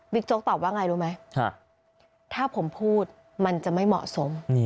โจ๊กตอบว่าไงรู้ไหมถ้าผมพูดมันจะไม่เหมาะสม